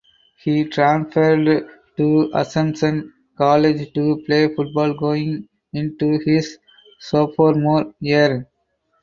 He transferred to Assumption College to play football going into his sophomore year.